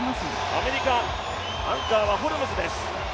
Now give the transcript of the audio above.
アメリカ、アンカーはホルムズです。